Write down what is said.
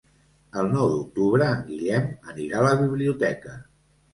El nou d'octubre en Guillem anirà a la biblioteca.